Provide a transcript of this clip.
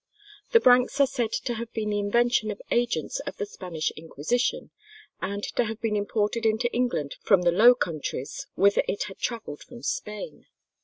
The branks are said to have been the invention of agents of the Spanish Inquisition, and to have been imported into England from the Low Countries, whither it had travelled from Spain.